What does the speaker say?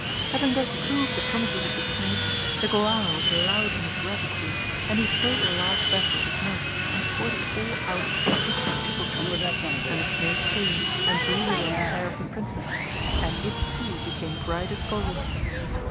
Having thus proved the promises of the snake the Goala was loud in his gratitude and he filled a large vessel with milk and poured it all out at the foot of the peepul tree and the snake came and breathed on the hair of the princess and it too became bright as gold.